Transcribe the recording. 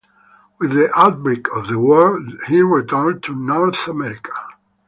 With the outbreak of the war, he returned to North America.